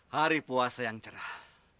hari puasa yang cerah